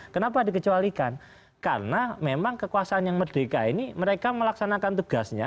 kenapa dikecualikan karena memang kekuasaan yang merdeka ini mereka melaksanakan tugasnya